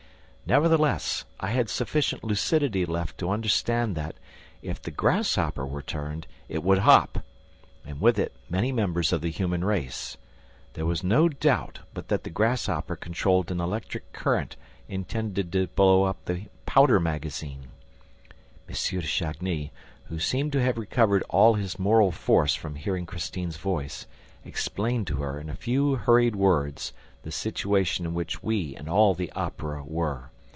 Nevertheless, I had sufficient lucidity left to understand that, if the grasshopper were turned, it would hop ... and with it many members of the human race! There was no doubt but that the grasshopper controlled an electric current intended to blow up the powder magazine! M. de Chagny, who seemed to have recovered all his moral force from hearing Christine's voice, explained to her, in a few hurried words, the situation in which we and all the Opera were.